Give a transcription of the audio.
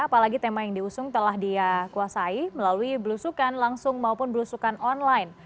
apalagi tema yang diusung telah dia kuasai melalui belusukan langsung maupun belusukan online